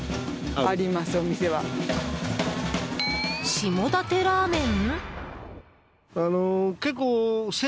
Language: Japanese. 下館ラーメン？